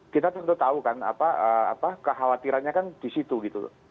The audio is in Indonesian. kita tentu tahu kan kekhawatirannya kan disitu gitu